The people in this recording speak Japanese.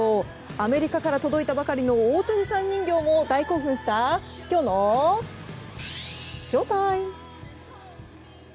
アメリカから届いたばかりの大谷さん人形も大興奮したきょうのＳＨＯＴＩＭＥ！